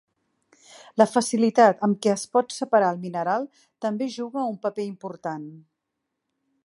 La facilitat amb què es pot separar el mineral també juga un paper important.